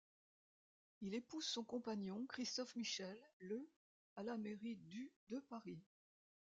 Il épouse son compagnon, Christophe Michel, le à la mairie du de Paris.